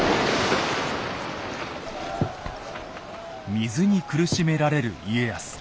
水に苦しめられる家康。